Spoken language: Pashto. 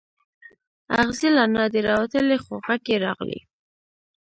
اغزی لا نه دی راوتلی خو غږ یې راغلی.